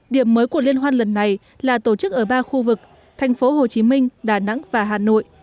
điểm mới của liên hoan lần này là tổ chức ở ba khu vực thành phố hồ chí minh đà nẵng và hà nội